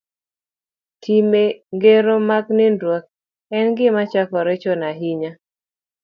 Timbe gero mag nindruok en gima chakore chon ahinya